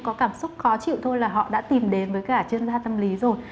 có cảm xúc khó chịu thôi là họ đã tìm đến với cả chuyên gia tâm lý rồi